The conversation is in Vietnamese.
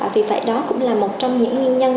vì vậy đó cũng là một trong những nguyên nhân